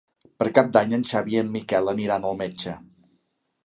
Per Cap d'Any en Xavi i en Miquel aniran al metge.